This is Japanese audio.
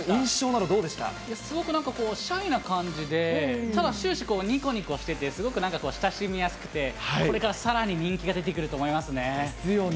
すごくなんかシャイな感じで、ただ、終始にこにこしてて、すごくなんか親しみやすくて、これからさらに人気が出てくると思いますね。ですよね。